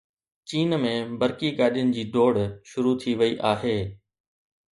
چين ۾ برقي گاڏين جي ڊوڙ شروع ٿي وئي آهي